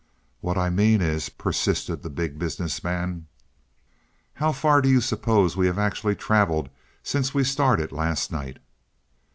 "What I mean is " persisted the Big Business Man. "How far do you suppose we have actually traveled since we started last night?"